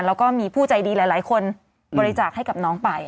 แล้วก็มีผู้ใจดีหลายคนบริจาคให้กับน้องไป